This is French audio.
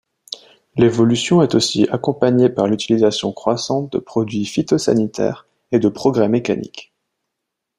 L'évolution est aussi accompagnée par l'utilisation croissante de produits phytosanitaires et de progrès mécaniques.